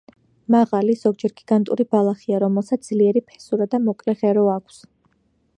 მაღალი, ზოგჯერ გიგანტური ბალახია, რომელსაც ძლიერი ფესურა და მოკლე ღერო აქვს.